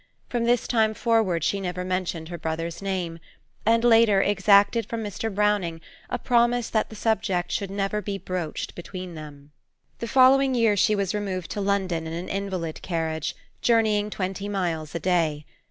From this time forward she never mentioned her brother's name, and later, exacted from Mr. Browning a promise that the subject should never be broached between them. The following year she was removed to London in an invalid carriage, journeying twenty miles a day.